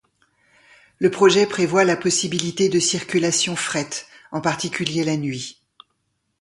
Le projet prévoit la possibilité de circulations fret, en particulier la nuit.